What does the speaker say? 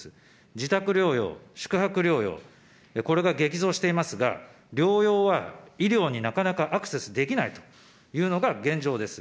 自宅療養、宿泊療養、これが激増していますが、療養は、医療になかなかアクセスできないというのが現状です。